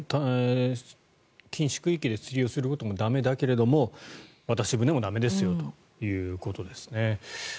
禁止区域で釣りをすることも駄目だけど渡し船も駄目ですよということですね。